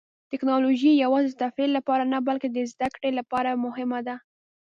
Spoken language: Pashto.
ټیکنالوژي یوازې د تفریح لپاره نه، بلکې د زده کړې لپاره هم مهمه ده.